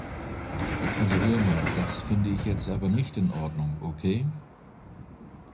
Also hör mal, das finde ich jetzt aber nicht in Ordnung, ok?